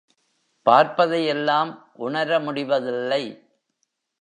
பார்ப்பதை யெல்லாம் உணர முடிவதில்லை.